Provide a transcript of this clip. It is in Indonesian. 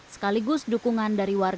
sekaligus dukungan dari wakil gubernur